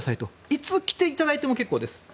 いつ来ていただいても結構です。